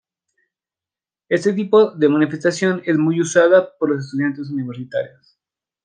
Este tipo de manifestación es muy usada por los estudiantes universitarios.